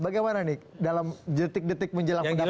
bagaimana nih dalam detik detik menjelang pendatang